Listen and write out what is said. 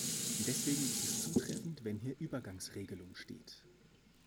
Deswegen ist es zutreffend, wenn hier Übergangsregelung steht.